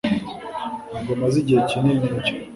Ntabwo maze igihe kinini ndya.